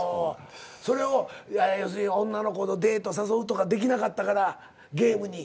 それを要するに女の子デート誘うとかできなかったからゲームに。